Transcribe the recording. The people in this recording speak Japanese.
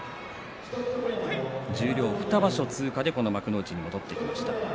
十両２場所通過でこの幕内に戻ってきました。